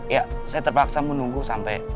ya saya terpaksa menunggu sampai